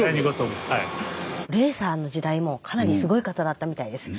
レーサーの時代もかなりすごい方だったみたいです。